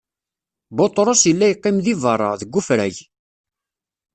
Buṭrus illa yeqqim di beṛṛa, deg ufrag.